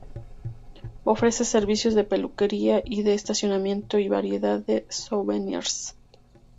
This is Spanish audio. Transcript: Ofrece servicio de peluquería y de estacionamiento y variedad de souvenirs.